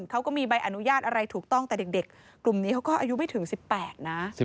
เขาก็มีใบอนุญาตอะไรถูกต้องแต่เด็กกลุ่มนี้เขาก็อายุไม่ถึง๑๘นะ